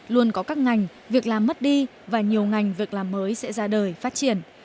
luôn có các ngành việc làm mất đi và nhiều ngành việc làm mới sẽ ra đời phát triển